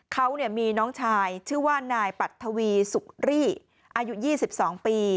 เขามีน้องชายชื่อว่านายปัททวีสุรีอายุ๒๒ปี